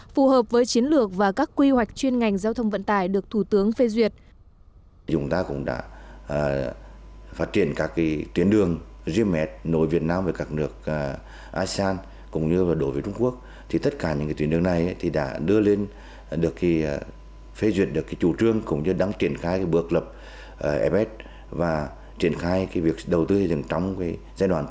phù hợp với chiến lược và các quy hoạch chuyên ngành giao thông vận tải được thủ tướng phê duyệt